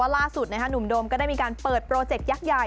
ล่าสุดหนุ่มโดมก็ได้มีการเปิดโปรเจคยักษ์ใหญ่